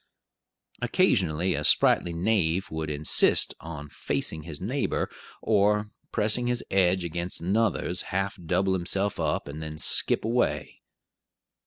Occasionally a sprightly knave would insist on facing his neighbor; or, pressing his edge against another's, half double himself up, and then skip away.